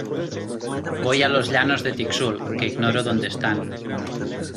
voy a los llanos de Tixul, que ignoro dónde están.